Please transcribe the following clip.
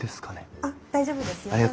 あっ大丈夫ですよ。